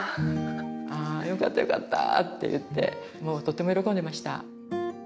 「ああよかったよかった」って言ってもうとても喜んでました。